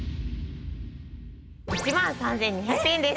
１万３２００円です。